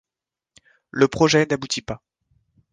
Le projet n'aboutit pas.